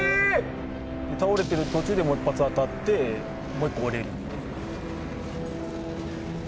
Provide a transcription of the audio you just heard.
倒れてる途中でもう一発当たってもう１個が折れると。